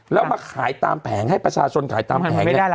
แล้วมาขายตามแผงให้ประชาชนขายตามแผงเนี่ย